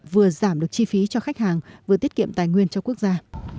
vừa giảm được chi phí cho khách hàng vừa tiết kiệm tài nguyên cho quốc gia